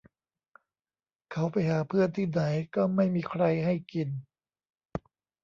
เขาไปหาเพื่อนที่ไหนก็ไม่มีใครให้กิน